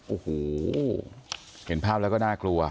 โอ้โหเห็นภาพแล้วก็น่ากลัว